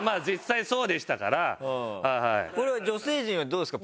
これは女性陣はどうですか？